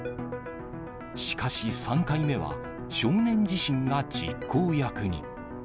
しかし３回目は、少年自身が実行役に。